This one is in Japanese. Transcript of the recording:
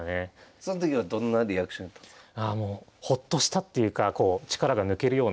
その時はどんなリアクションやったんすか？